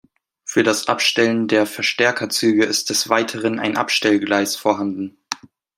Für das Abstellen der Verstärkerzüge ist des Weiteren ein Abstellgleis vorhanden.